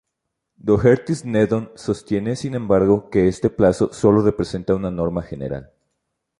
Doherty-Sneddon sostiene, sin embargo, que este plazo sólo representa una norma general.